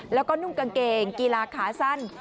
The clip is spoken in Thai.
แล้วก็นุ่งกางเกงกีฬาขาสั้น